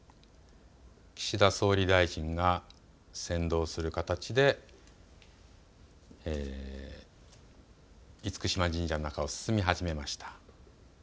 岸田総理大臣が先導する形で厳島神社の中を進み始めました。